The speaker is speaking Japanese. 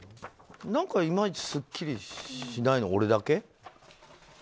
いまいちすっきりしないのは俺だけ？